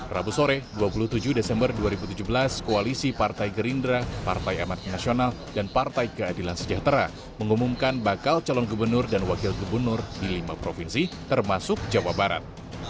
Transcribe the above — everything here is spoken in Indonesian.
rabu sore dua puluh tujuh desember dua ribu tujuh belas koalisi partai gerindra partai amat nasional dan partai keadilan sejahtera mengumumkan bakal calon gubernur dan wakil gubernur di lima provinsi termasuk jawa barat